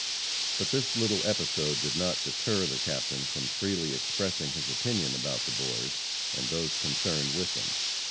But this little episode did not deter the Captain from freely expressing his opinion about the boys and those concerned with them.